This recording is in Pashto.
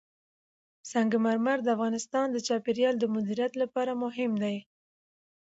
سنگ مرمر د افغانستان د چاپیریال د مدیریت لپاره مهم دي.